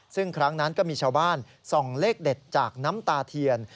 ซึ่งครั้งนั้นก็มีชาวบ้านส่องเลขเด็ดจากน้ำตาเทียน